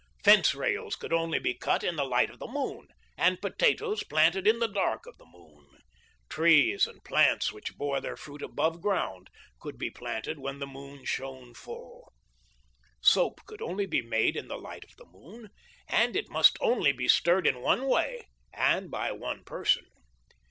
Fence rails could only be cut in the light of the moon, and potatoes planted in the dark of the moon. Trees and plants which bore their 5 66 THE LIFE OF LINCOLN. fruit above ground could be planted when the moon shone full. Soap could only be made in the light of the moon, and it must only be stirred in one way and by one person.